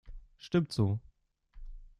Stimmt so.